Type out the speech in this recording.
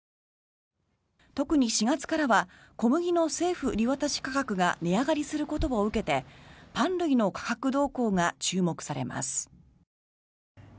特に４月からは小麦の政府売渡価格が値上がりすることを受けてパン類の価格動向が注目されます。